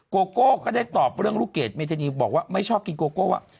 โกโก้ก็ได้ตอบเรื่องลูกเกดเมธานีบอกว่าไม่ชอบกินโกโก้ว่า